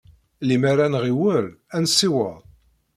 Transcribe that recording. Lemmer ad nɣiwel, ad nessiweḍ.